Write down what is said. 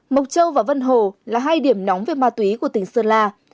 mộc châu và vân hồ là hai điểm nóng về ma túy của tỉnh sơn la